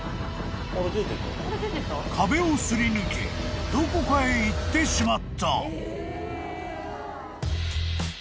［壁を擦り抜けどこかへ行ってしまった］